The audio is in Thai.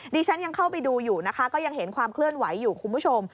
ดิฉันยังเข้าไปดูอยู่นะคะก็ยังเห็นความเคลื่อนไหวอยู่คุณผู้ชม